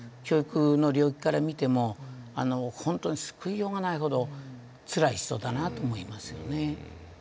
教育の領域から見ても本当に救いようがないほどつらい人だなと思いますよね。